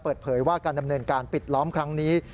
เปิดเผยว่าการดำเนินการปิดล้อมครั้งนี้